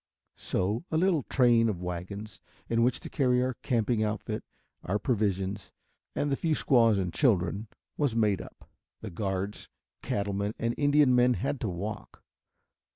So a little train of wagons in which to carry our camping outfit, our provisions and the few squaws and children, was made up. The guards, cattlemen and Indian men had to walk.